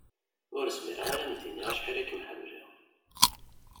Ur zmireɣ ara ad am-d-iniɣ acḥal i kem-ḥemmleɣ.